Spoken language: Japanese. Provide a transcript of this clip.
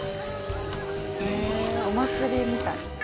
へえお祭りみたい。